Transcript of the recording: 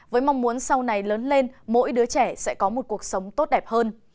với mong muốn sau này lớn lên mỗi đứa trẻ sẽ có một cuộc sống tốt đẹp hơn